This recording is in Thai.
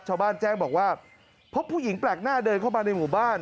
ชาวบ้านแจ้งบอกว่าพบผู้หญิงแปลกหน้าเดินเข้ามาในหมู่บ้าน